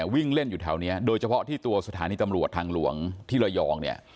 วิ่งเล่นอยู่แถวนี้โดยเฉพาะที่ตัวสถานีตำรวจทางหลวงที่ระยองเนี่ย